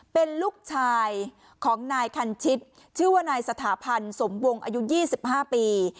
เป็นลูกชายของนายคันชิตชื่อว่านายสถาพันธ์สมวงอายุ๒๕ปี